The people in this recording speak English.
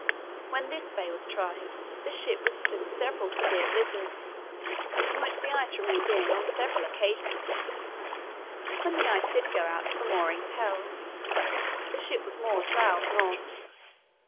When this bay was tried the ship withstood several severe blizzards, in which the ice remained in on several occasions. When the ice did go out the moorings held. The ship was moored bows north.